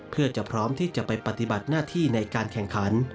เพื่อจะพร้อมที่จะไปปฏิบัติหน้าที่ในการแข่งขัน